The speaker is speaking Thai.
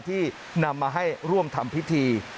ที่นำมาให้ร่วมทำพิธี